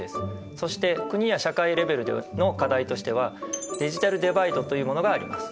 そして国や社会レベルでの課題としてはデジタルデバイドというものがあります。